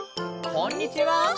こんにちは！